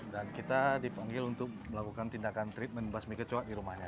dan kita dipanggil untuk melakukan tindakan treatment basmi kecoak di rumahnya